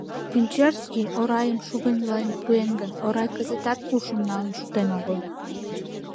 Пӱнчерский Орайым шугыньлен пуэн гын, Орай кызытат ушым налын шуктен огыл.